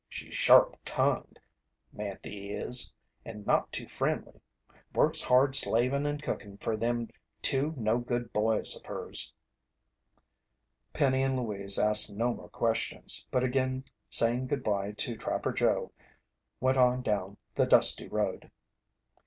She's sharp tongued, Manthy is, and not too friendly. Works hard slavin' and cookin' fer them two no good boys of hers." Penny and Louise asked no more questions, but again saying goodbye to Trapper Joe, went on down the dusty road.